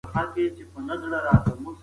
بد چلن ستونزه زیاتوي.